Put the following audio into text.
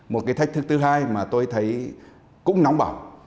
một cái thách thức thứ hai mà tôi thấy cũng nóng bỏng